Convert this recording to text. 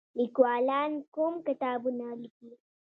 لیکوالان کوم کتابونه لیکي؟